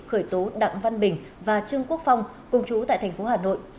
khởi tố đặng văn bình và trương quốc phong cùng chú tại thành phố hà nội